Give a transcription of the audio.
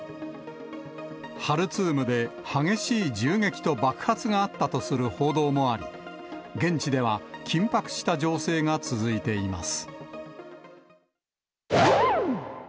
ハルツームで激しい銃撃と爆発があったとする報道もあり、現地では緊迫した情勢が続いています。